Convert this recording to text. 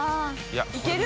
いける？